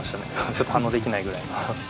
ちょっと反応できないぐらい。